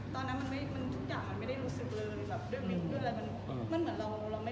ตอนนั้นทุกอย่างมันไม่ได้รู้สึกเลย